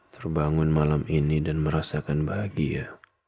terbangun malam ini dan merasakan bahagia